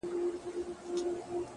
د تورو زلفو په هر تار راته خبري کوه _